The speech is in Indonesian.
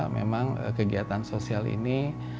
memang kegiatan sosial ini